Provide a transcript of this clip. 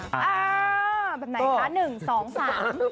อ่าแบบไหนคะ๑๒๓